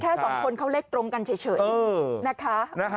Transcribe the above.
สองคนเขาเลขตรงกันเฉยนะคะ